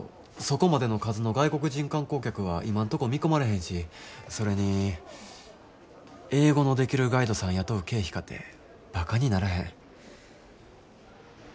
そこまでの数の外国人観光客は今んとこ見込まれへんしそれに英語のできるガイドさん雇う経費かてばかにならへん。